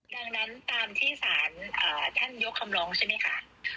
ดังนั้นตามที่สารท่านยกคำร้องใช่ไหมคะ